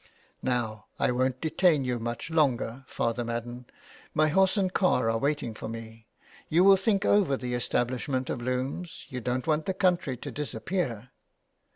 *' Now I won't detain you much longer, Father Madden. My horse and car are waiting for me. You will think over the establishment of looms. You don't want the country to disappear.'